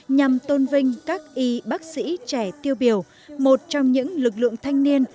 nhằm tôn vinh các y bác sĩ trẻ tiêu biểu một trong những lực lượng thanh niên